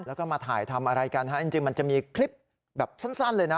แล้วก็มาถ่ายทำอะไรกันฮะจริงมันจะมีคลิปแบบสั้นเลยนะ